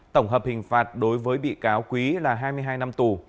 tổng hợp hình phạt đối với bị cáo quý là hai mươi hai năm tù